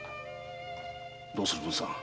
どうする文さん？